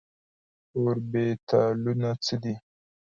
اوربيتالونه څه دي ؟